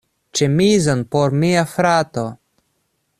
Ĉemizon por mia frato.